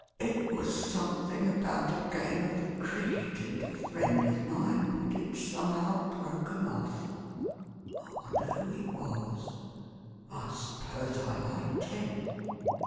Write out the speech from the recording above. It was something about a game of cricket and a friend of mine, but it's somehow broken oft*. I wonder who he was — I suppose I liked him